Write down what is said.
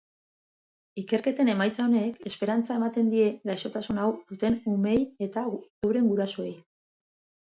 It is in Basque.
Ikerketen emaitza onek esperantza ematen die gaixotasun hau duten umeei eta euren gurasoei.